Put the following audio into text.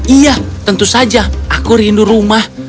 iya tentu saja aku rindu rumah